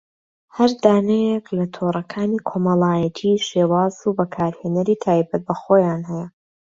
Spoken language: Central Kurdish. هەر دانەیەک لە تۆڕەکانی کۆمەڵایەتی شێواز و بەکارهێنەری تایبەت بەخۆیان هەیە